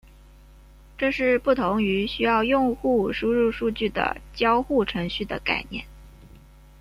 这是不同于需要用户输入数据的交互程序的概念。